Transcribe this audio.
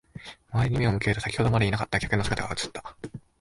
周りに目を向けると、先ほどまでいなかった客の姿が映った。